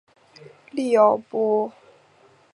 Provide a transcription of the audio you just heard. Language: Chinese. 利奥波德六世原本以为安德烈会接受摄政这荣誉。